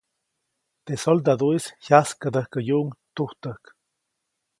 Teʼ soladuʼis jyaskädäjkäyuʼuŋ tujtäjk.